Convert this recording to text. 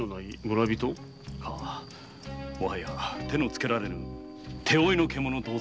もはや手のつけられぬ手負いの獣。